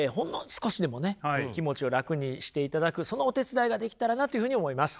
少しでもね気持ちを楽にしていただくそのお手伝いができたらなというふうに思います。